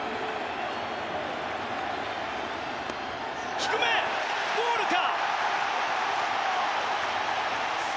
低め、ボールか。